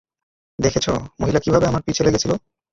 দেখেছ, মহিলা কীভাবে আমার পিছে লেগেছিল?